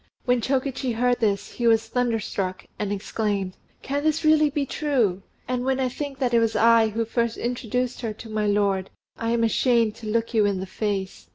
When Chokichi heard this, he was thunderstruck, and exclaimed, "Can this really be true! And when I think that it was I who first introduced her to my lord, I am ashamed to look you in the face."